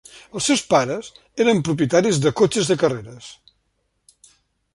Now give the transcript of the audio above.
Els seus pares eren propietaris de cotxes de carreres.